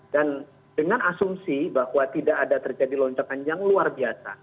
dan dengan asumsi bahwa tidak ada terjadi lonceng panjang luar biasa